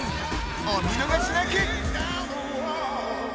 お見逃しなく。